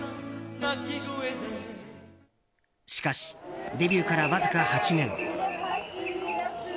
しかし、デビューからわずか８年。